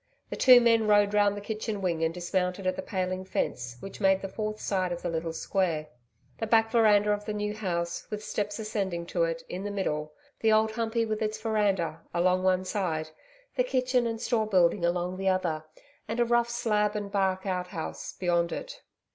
The two men rode round the kitchen wing and dismounted at the paling fence, which made the fourth side of the little square. The back veranda of the new house, with steps ascending to it, in the middle, the Old Humpey, with its veranda, along one side, the kitchen and store building along the other, and a rough slab and bark outhouse beyond it.